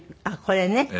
あっこれね。